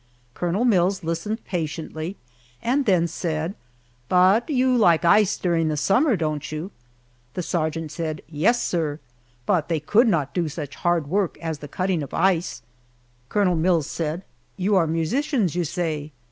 Colonel Mills listened patiently and then said, "But you like ice during the summer, don't you?" The sergeant said, "Yes, sir, but they could not do such hard work as the cutting of ice." Colonel Mills said, "You are musicians, you say?"